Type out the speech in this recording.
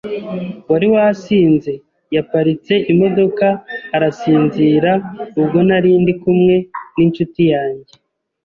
wari wasinze yaparitse imodoka arasinzira, ubwo nari ndi kumwe n’inshuti yanjye